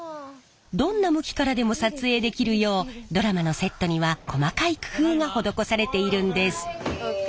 どんな向きからでも撮影できるようドラマのセットには細かい工夫が施されているんです。